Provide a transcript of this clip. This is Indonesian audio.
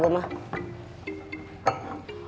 gua udah tau gua mah